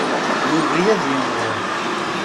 Yugi ad yimɣur.